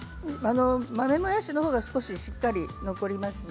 豆もやしの方が少ししっかり残りますね